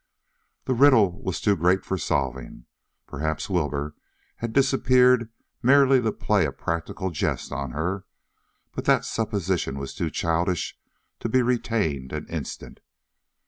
The riddle was too great for solving. Perhaps Wilbur had disappeared merely to play a practical jest on her; but that supposition was too childish to be retained an instant.